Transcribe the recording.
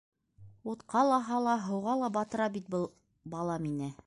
- Утҡа ла һала, һыуға ла батыра бит был бала мине!